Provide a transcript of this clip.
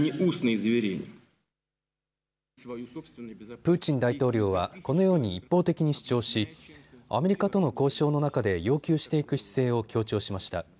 プーチン大統領はこのように一方的に主張しアメリカとの交渉の中で要求していく姿勢を強調しました。